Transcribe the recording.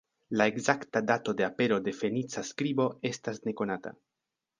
La ekzakta dato de apero de fenica skribo estas nekonata.